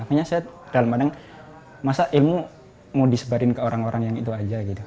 hanya saya dalam pandang masa ilmu mau disebarin ke orang orang yang itu saja